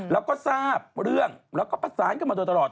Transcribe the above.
แล้วก็ทราบเรื่องแล้วก็ประสานกันมาโดยตลอด